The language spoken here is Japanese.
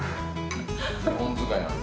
２本使いなんで。